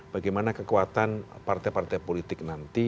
bagaimana kekuatan partai partai politik nanti